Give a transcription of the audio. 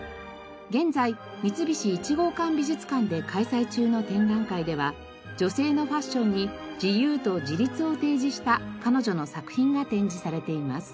現在三菱一号館美術館で開催中の展覧会では女性のファッションに自由と自立を提示した彼女の作品が展示されています。